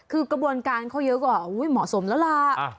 คือกระบวนการเขาเยอะกว่าเหมาะสมแล้วล่ะ